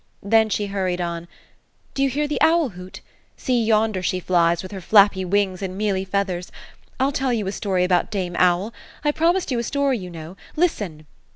Then she hurried on —^" Do you hear the owl hoot ? See, yonder she flics, with her flappy wings, and mealy feathers. I'll tell you a story about dame owl. I promised you a story, you know. Listen."